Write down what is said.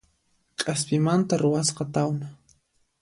K'aspimanta ruwasqa tawna